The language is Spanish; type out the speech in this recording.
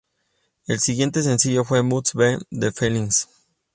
El siguiente sencillo fue "Must Be The Feeling".